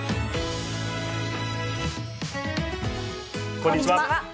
こんにちは。